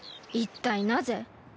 一体なぜ？